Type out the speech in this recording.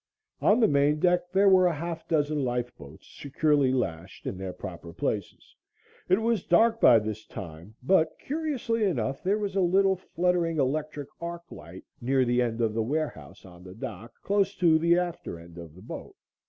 On the main deck there were a half dozen lifeboats securely lashed their proper places. It was dark by this time, but, curiously enough, there was a little fluttering electric arc light near the end of the warehouse on the dock, close to the after end of the boat.